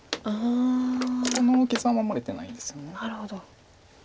ここの傷は守れてないんですよね。